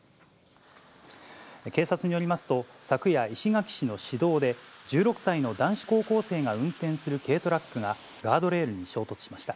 警察によりますと、昨夜、石垣市の市道で、１６歳の男子高校生が運転する軽トラックがガードレールに衝突しました。